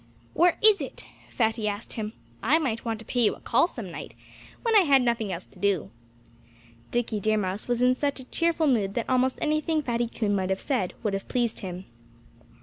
"Where is it!" Fatty asked him. "I might want to pay you a call some night when I had nothing else to do." Dickie Deer Mouse was in such a cheerful mood that almost anything Fatty Coon might have said would have pleased him.